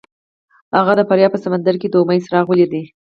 هغه د دریاب په سمندر کې د امید څراغ ولید.